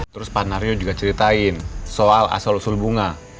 terus pak nario juga ceritain soal asal usul bunga